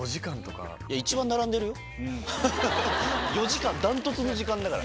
４時間断トツの時間だから。